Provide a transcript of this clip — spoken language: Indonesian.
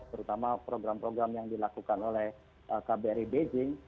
terutama program program yang dilakukan oleh kbri beijing